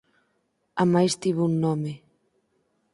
amais tivo un nome.